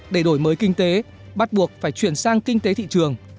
để đổi mới kinh tế bắt buộc phải chuyển sang kinh tế thị trường